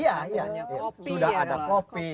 ya sudah ada kopi